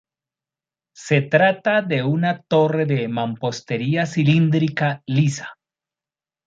Se trata de una torre de mampostería cilíndrica lisa.